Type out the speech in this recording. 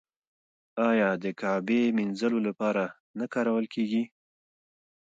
آیا د کعبې مینځلو لپاره نه کارول کیږي؟